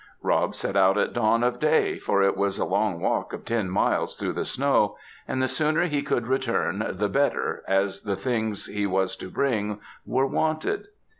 Rob set out at dawn of day, for it was a long walk of ten miles through the snow, and the sooner he could return the better, as the things he was to bring were wanted.